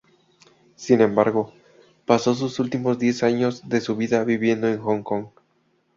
Sin embargo, pasó sus últimos diez años de su vida viviendo en Hong Kong.